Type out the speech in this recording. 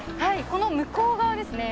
この向こう側ですね。